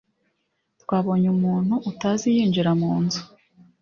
twabonye umuntu utazi yinjira mu nzu